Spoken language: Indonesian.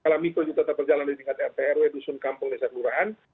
kalau mikro juga tetap berjalan di tingkat rprw dusun kampung desa kelurahan